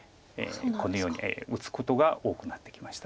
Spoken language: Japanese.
このように打つことが多くなってきました。